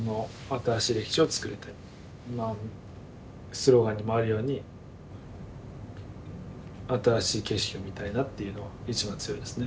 スローガンにもあるように新しい景色を見たいなっていうのは一番強いですね。